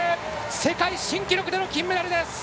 世界新記録での金メダルです！